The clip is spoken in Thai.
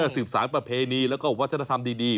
สืบสารประเพณีแล้วก็วัฒนธรรมดี